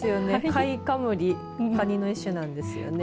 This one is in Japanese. カイカムリカニの一種なんですよね。